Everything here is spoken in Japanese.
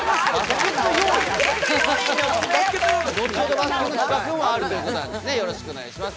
後ほどバスケの企画もあるということで、よろしくお願いします。